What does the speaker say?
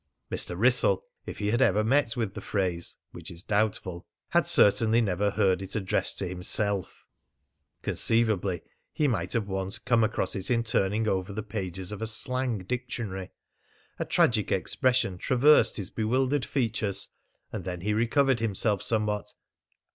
Mr. Wrissell, if he had ever met with the phrase, which is doubtful, had certainly never heard it addressed to himself; conceivably he might have once come across it in turning over the pages of a slang dictionary. A tragic expression traversed his bewildered features; and then he recovered himself somewhat.